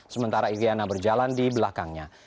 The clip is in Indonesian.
sementara iryana berjalan di belakangnya